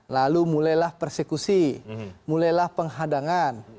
lalu mulailah persekusi mulailah penghadangan